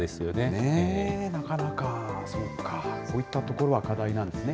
なかなか、そっか、そういったところが課題なんですね。